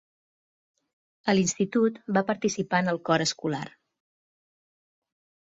A l'institut va participar en el cor escolar.